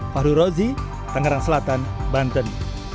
fahru rozi tangerang selatan banten